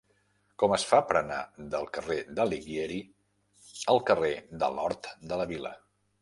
Com es fa per anar del carrer d'Alighieri al carrer de l'Hort de la Vila?